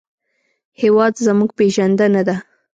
هېواد زموږ پېژندنه ده